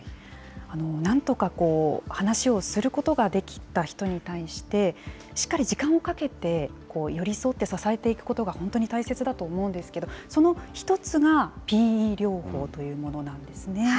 なんとか話をすることができた人に対して、しっかり時間をかけて、寄り添って支えていくことが本当に大切だと思うんですけど、その１つがＰＥ療法というものなんですね。